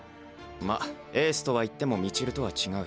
まあエースとはいっても道塁とは違う。